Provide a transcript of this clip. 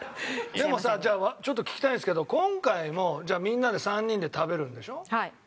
でもさじゃあちょっと聞きたいんですけど今回もみんなで３人で食べるんでしょ？